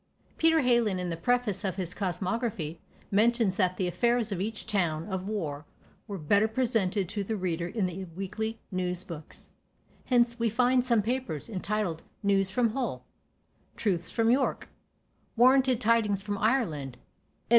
Peter Heylin, in the preface to his Cosmography, mentions, that "the affairs of each town, of war, were better presented to the reader in the Weekly News books." Hence we find some papers, entitled "News from Hull," "Truths from York," "Warranted Tidings from Ireland," &c.